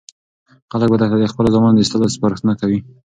خلک به درته د خپلو زامنو د ایستلو سپارښتنه کوي.